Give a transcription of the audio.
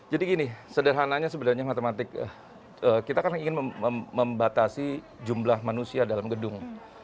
jadi gini sederhananya sebenarnya matematik kita kan ingin membatasi jumlah manusia dalam gedung